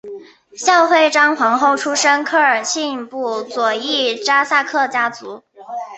孝惠章皇后出身科尔沁部左翼扎萨克家族。